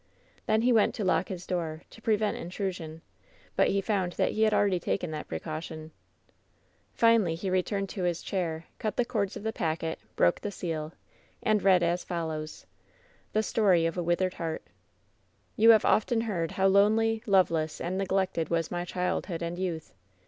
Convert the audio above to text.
Then he went to lock his door, to prevent intrusion; but he found that he had already taken that precaution* Finally, he returned to his chair, cut the cords of the packet, broke the seal, and read as follows : ^^THE STOBY OF A WITHERED HEABT "You have often heard how lonely, loveless and neg lected was my childhood and youth.